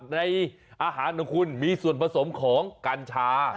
ในอาหารของคุณมีส่วนผสมของกัญชา